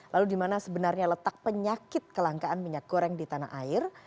lalu di mana sebenarnya letak penyakit kelangkaan minyak goreng di tanah air